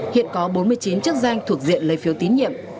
hiện có bốn mươi chín chức danh thuộc diện lấy phiếu tín nhiệm